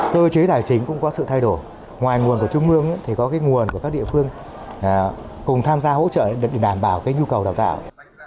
cơ chế tài chính cũng có sự thay đổi ngoài nguồn của trung mương thì có cái nguồn của các địa phương cùng tham gia hỗ trợ để đảm bảo cái nhu cầu đào tạo